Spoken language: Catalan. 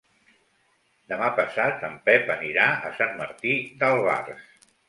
Demà passat en Pep anirà a Sant Martí d'Albars.